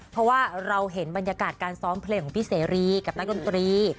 เพราะว่าเราเห็นบรรยากาศการซ้อมเพลงของพี่เสรีกับนักดนตรี